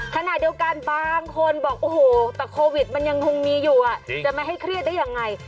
ขณะเดียวกันบางคนบอกโอ้โหแต่โควิดมันยังคงมีอยู่จะไม่ให้เครียดได้ยังไง